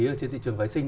ở trên thị trường vệ sinh